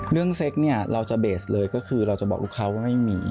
เซ็กเนี่ยเราจะเบสเลยก็คือเราจะบอกลูกค้าว่าไม่มี